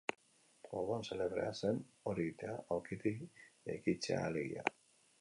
Orduan xelebrea zen hori egitea, aulkitik jaikitzea alegia.